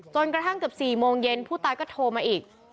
จนกระทั่งเกือบ๔โมงเย็นผู้ตายก็โทรมาอีก